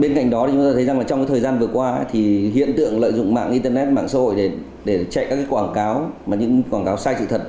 bên cạnh đó thì chúng ta thấy rằng trong thời gian vừa qua thì hiện tượng lợi dụng mạng internet mạng xã hội để chạy các quảng cáo và những quảng cáo sai sự thật